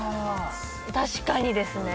確かにですね。